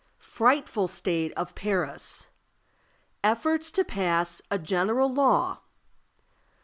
Frightful state of Paris. Efforts to pass a general Law.